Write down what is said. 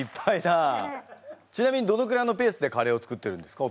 ちなみにどのくらいのペースでカレーを作ってるんですか？